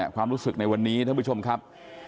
ความรู้สึกในวันนี้ท่านผู้ชมครับ